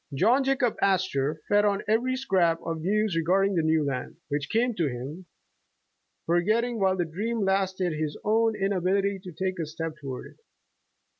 John Jacob Astor fed on every scrap of news regard ing the "New Land" which came to him, forgetting while the dream lasted, his own inability to take a step toward it.